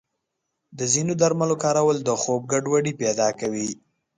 د ځینو درملو کارول د خوب ګډوډي پیدا کوي.